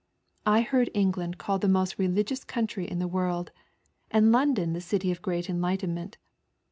I heard England called the most religious country in the world, and London the city of enlightenment.